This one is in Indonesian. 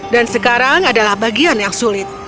dan sekarang adalah bagian yang sulit